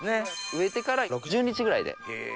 植えてから６０日ぐらいで。